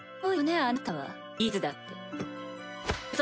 あなたはいつだって。